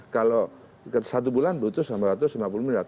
kalau dalam satu tahun itu butuh sembilan ratus lima puluh miliar